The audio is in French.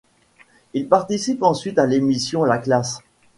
Il participe ensuite à l’émission La Classe.